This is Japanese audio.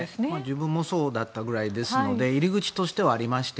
自分もそうだったくらいですので入り口としてはありまして